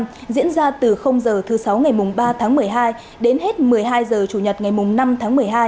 chương trình sáu mươi năm diễn ra từ giờ thứ sáu ngày ba tháng một mươi hai đến hết một mươi hai giờ chủ nhật ngày năm tháng một mươi hai